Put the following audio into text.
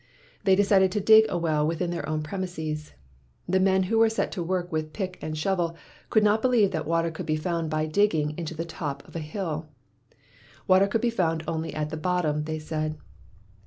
They decided to dig a well within their own premises. The men who were set to work with pick and shovel could not believe that water could be found by dig ging into the top of a hill. Water could be found only at the bottom, they said.